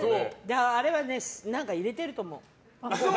あれは何か入れていると思う。